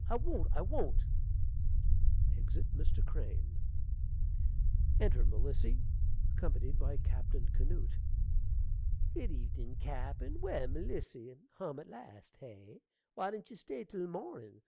I won't. I won't. (Exit Mr. Crane.) (Enter Melissy, accompanied by Captain Canoot.) Good evenin', cappen! Well, Melissy, hum at last, hey? Why didn't you stay till mornin'?